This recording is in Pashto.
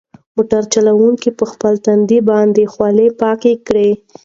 موټر چلونکي په خپل تندي باندې خولې پاکې کړې.